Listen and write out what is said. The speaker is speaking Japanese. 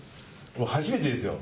初めてですよ。